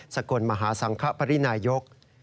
กลมหาสังคปรินายก